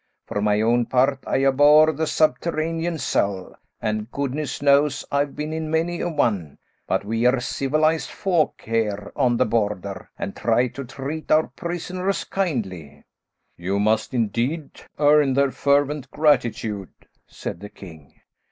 For my own part, I abhor a subterranean cell, and goodness knows I've been in many a one, but we're civilised folk here on the Border and try to treat our prisoners kindly." "You must, indeed, earn their fervent gratitude," said the king.